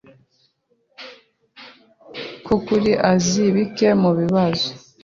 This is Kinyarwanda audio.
Nkukuri, azi bike mubibazo.